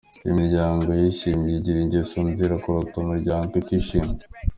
Imiryango yishimye igira ingeso nziza kuruta imiryango itishimye.